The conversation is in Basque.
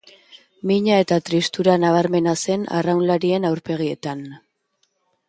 Mina eta tristura nabarmena zen arraunlarien aurpegietan.